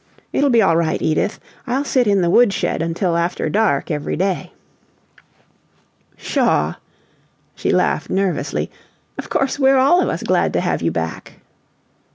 It'll be all right, Edith; I'll sit in the woodshed until after dark every day." "Pshaw!" She laughed nervously. "Of course we're all of us glad to have you back."